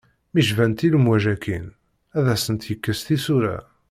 Mi jbant i lemwaj akin, ad asent-yekkes tisura.